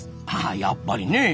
あやっぱりねえ。